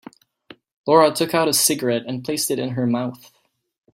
Laura took out a cigarette and placed it in her mouth.